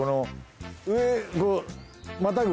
上。